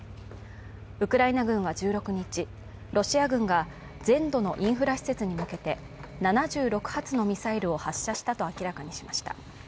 ウクライナ軍は１６日、ロシア軍が全土のインフラ施設に向けて７６発のミサイルを発射したと明らかにしました。